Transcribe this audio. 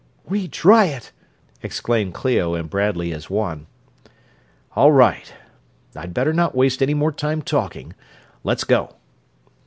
"We try it!" exclaimed Clio and Bradley as one. "All right. I'd better not waste any more time talking let's go!"